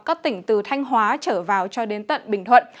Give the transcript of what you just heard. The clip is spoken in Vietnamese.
các tỉnh từ thanh hóa trở vào cho đến tận bình thuận